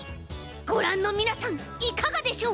ごらんのみなさんいかがでしょう？